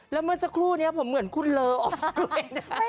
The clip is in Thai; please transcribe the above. แล้วเมื่อสักครู่นี้ผมเหมือนคุณเลอออกมา